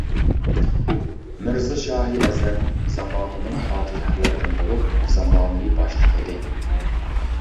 مىرزا شاھى ئەزەم زاماننىڭ پادىشاھلىرىدىن بولۇپ، زامانىۋى باشلىق ئىدى.